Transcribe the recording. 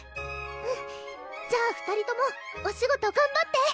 うんじゃあ２人ともお仕事がんばって！